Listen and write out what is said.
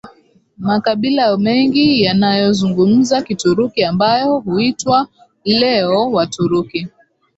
Makabila mengi yanayozungumza Kituruki ambayo huitwa leo Waturuki